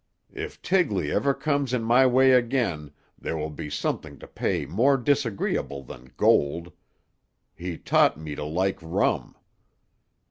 If Tigley ever comes in my way again there will be something to pay more disagreeable than gold. He taught me to like rum."